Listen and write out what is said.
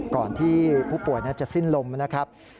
ก่อนที่ผู้ป่วยจะสิ้นลมนะครับ